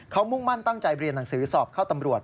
เขามุ่งมั่นตั้งใจเรียนหนังสือสอบเข้าตำรวจ